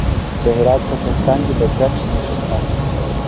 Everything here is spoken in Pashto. د هرات په کهسان کې د ګچ نښې شته.